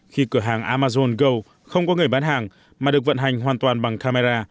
khi cửa hàng amazon go không có người bán hàng mà được vận hành hoàn toàn bằng camera